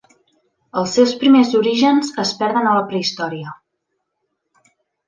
Els seus primers orígens es perden a la prehistòria.